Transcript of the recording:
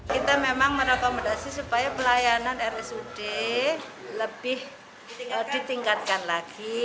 kita memang merekomendasi supaya pelayanan rsud lebih ditingkatkan lagi